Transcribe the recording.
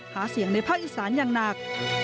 หาเสียงในภาคอีสานอย่างหนัก